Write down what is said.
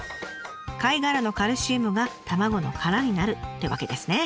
貝殻のカルシウムが卵の殻になるってわけですね。